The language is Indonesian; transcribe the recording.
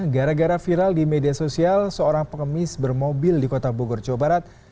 gara gara viral di media sosial seorang pengemis bermobil di kota bogor jawa barat